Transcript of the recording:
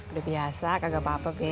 udah biasa kagak apa apa be